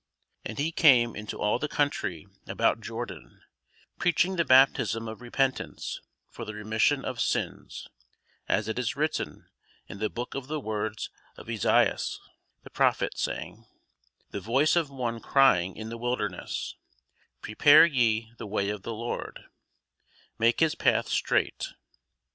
And he came into all the country about Jordan, preaching the baptism of repentance for the remission of sins; as it is written in the book of the words of Esaias the prophet, saying, The voice of one crying in the wilderness, Prepare ye the way of the Lord, make his paths straight.